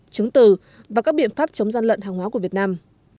chứng từ và các biện pháp chống gian lận hàng hóa của việt nam